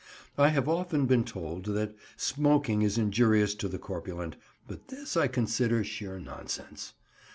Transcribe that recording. I have often been told that smoking is injurious to the corpulent, but this I consider sheer nonsense.